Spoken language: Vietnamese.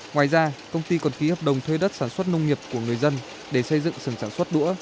ngoài ra công ty còn ký hợp đồng thuê đất sản xuất nông nghiệp của người dân để xây dựng sưởng sản xuất đũa